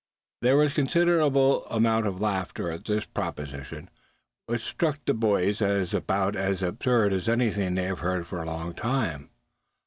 There was considerable of a laugh at this proposition, which struck the boys as about as absurd as anything they had heard for a long time.